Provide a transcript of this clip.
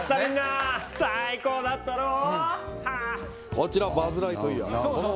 こちらバズ・ライトイヤー。